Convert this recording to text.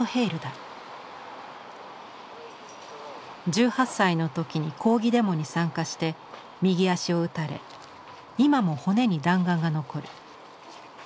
１８歳のときに抗議デモに参加して右足を撃たれ今も骨に弾丸が残る。